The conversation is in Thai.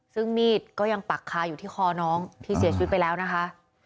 ซึ่งมีดก็ยังปักคาอยู่ที่คอน้องที่เสียชีวิตไปแล้วนะคะ